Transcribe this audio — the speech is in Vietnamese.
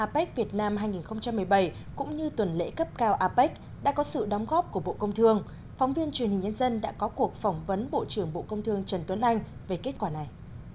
bộ công thương phóng viên truyền hình nhân dân đã có cuộc phỏng vấn bộ trưởng bộ công thương trần tuấn anh về kết quả này